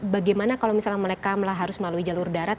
bagaimana kalau misalnya mereka harus melalui jalur darat